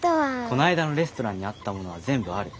こないだのレストランにあったものは全部ある。